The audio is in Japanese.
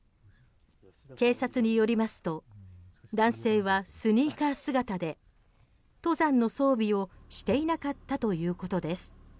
警察によりますと男性はスニーカー姿で登山の装備をしていなかったということです。